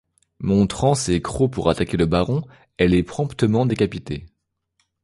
Montrant ses crocs pour attaquer le baron, elle est promptement décapitée.